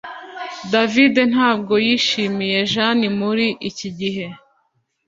David ntabwo yishimiye Jane muri iki gihe